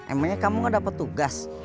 emangnya kamu gak dapat tugas